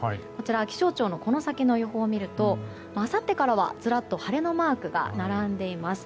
気象庁のこの先の予報を見るとあさってからはずらっと晴れのマークが並んでいます。